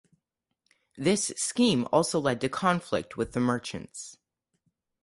This scheme also led to conflict with the merchants.